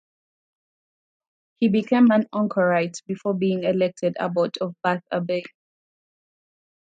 He became an anchorite before being elected abbot of Bath Abbey.